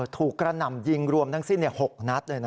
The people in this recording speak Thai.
กระหน่ำยิงรวมทั้งสิ้น๖นัดเลย